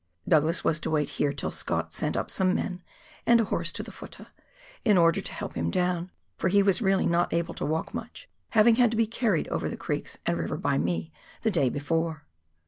Douglas was to wait here till Scott sent up some men (and a horse to the futtah), in order to help him down, for he was really not able to walk much, having had to be carried over the creeks and river by me the day before.